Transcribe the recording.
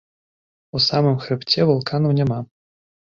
У самым хрыбце вулканаў няма.